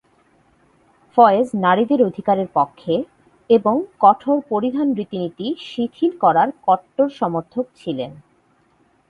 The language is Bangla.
ফয়েজ নারীদের অধিকারের পক্ষে, এবং কঠোর পরিধান রীতি নীতি শিথিল করার কট্টর সমর্থক ছিলেন।